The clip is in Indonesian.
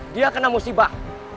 dia kena musibah